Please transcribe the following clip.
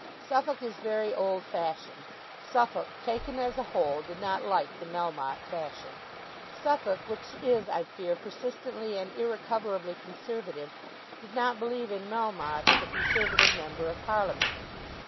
Suffolk is very old fashioned. Suffolk, taken as a whole, did not like the Melmotte fashion. Suffolk, which is, I fear, persistently and irrecoverably Conservative, did not believe in Melmotte as a Conservative Member of Parliament.